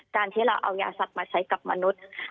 การที่เราเอายาสัตว์มาใช้กับมนุษย์